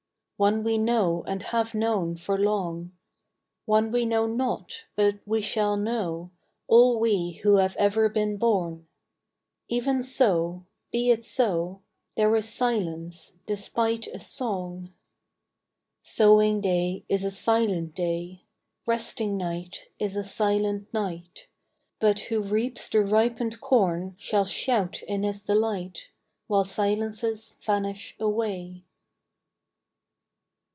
One we know and have known for long, One we know not, but we shall know, All we who have ever been born ; Even so, be it so, — There is silence, despite a song. Sowing day is a silent day, Resting night is a silent night; But who reaps the ripened corn Shall shout in his delight, While silences vanish away.